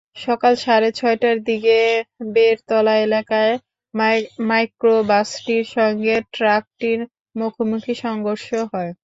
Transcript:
সকাল সাড়ে ছয়টার দিকে বেড়তলা এলাকায় মাইক্রোবাসটির সঙ্গে ট্রাকটির মুখোমুখি সংঘর্ষ হয়।